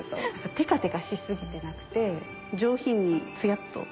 テカテカし過ぎてなくて上品にツヤっと。